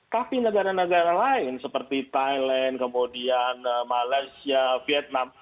tapi negara negara lain seperti thailand kemudian malaysia vietnam